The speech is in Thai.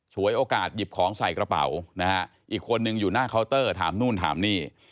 ฉวยโอกาสหยิบของใส่กระเป๋านะฮะอีกคนนึงอยู่หน้าเคาน์เตอร์ถามนู่นถามนี่